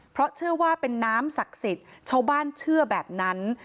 เพราะเชื่อว่าเป็นน้ำศักดิ์สิทธิ์ชาวบ้านเชื่อแบบนั้น